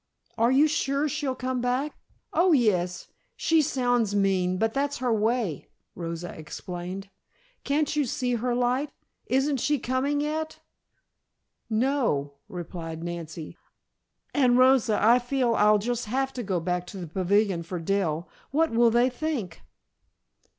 Are you sure she'll come back?" "Oh, yes. She sounds mean, but that's her way," Rosa explained. "Can't you see her light? Isn't she coming yet?" "No," replied Nancy. "And Rosa, I feel I'll just have to go back to the pavilion for Dell. What will they think?"